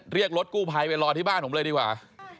เรียกรถกู้ภัยไปรอที่บ้านผมเลยดีกว่า